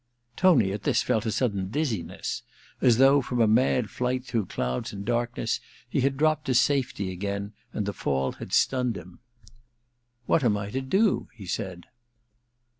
Tony, at this, felt a sudden dizziness ; as though, from a mad flight through clouds and darkness, he had dropped to safety again, and the fall had stunned him. * What am I to do ?' he said.